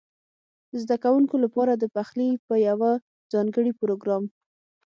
ده کوونکو لپاره د پخلي په یوه ځانګړي پروګرام